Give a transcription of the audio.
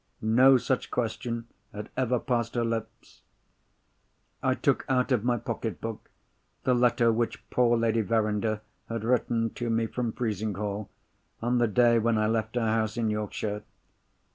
No such question had ever passed her lips. I took out of my pocket book the letter which poor Lady Verinder had written to me from Frizinghall, on the day when I left her house in Yorkshire.